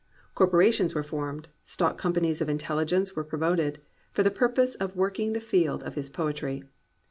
Corporations were formed, stock companies of intelligence were promoted, for the purpose of working the field of his poetry.